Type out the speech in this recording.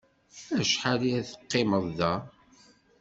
Acḥal ad teqqimeḍ da?